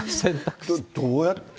どうやって。